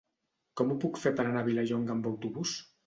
Com ho puc fer per anar a Vilallonga amb autobús?